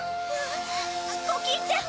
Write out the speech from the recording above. コキンちゃん！